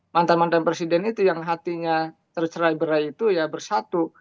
mantan mantan presiden itu yang hatinya tercerai berai itu ya bersatu